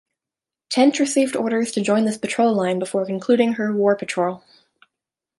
"Tench" received orders to join this patrol line before concluding her war patrol.